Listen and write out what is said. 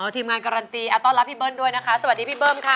ทีมงานการันตีต้อนรับพี่เบิ้ลด้วยนะคะสวัสดีพี่เบิ้มค่ะ